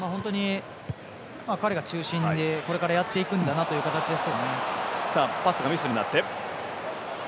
彼が中心でこれからやっていくんだろうなという形です。